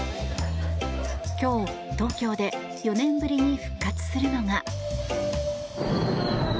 今日、東京で４年ぶりに復活するのが。